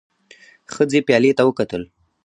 ښځې پيالې ته وکتل.